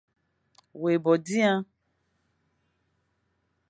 Wé bo dia,